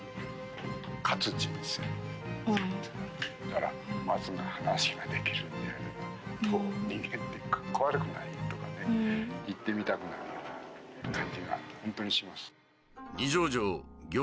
だから松に話ができるんであれば「どう？人間ってかっこ悪くない？」とかね言ってみたくなるような感じがほんとにします。